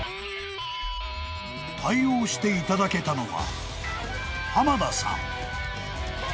［対応していただけたのは］